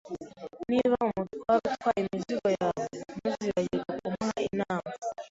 Niba umutwara utwaye imizigo yawe, ntuzibagirwe kumuha inama.